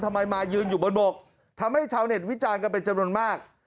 มายืนอยู่บนบกทำให้ชาวเน็ตวิจารณ์กันเป็นจำนวนมาก